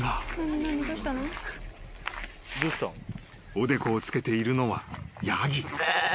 ［おでこをつけているのはヤギ］